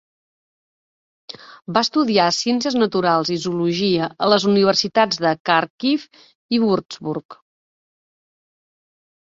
Va estudiar ciències naturals i zoologia a les universitats de Khàrkiv i Würzburg.